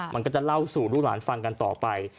มันก็จะเล่าสู่ลูกหลานฟังกันต่อไป